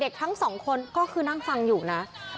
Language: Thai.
แต่อย่างที่บอกค่ะแม่ลูกสามคนนี้ไม่มีใครสวมหน้ากากอนามัยเลยอ่ะค่ะ